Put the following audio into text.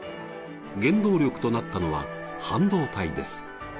原動力となったのは半導体です。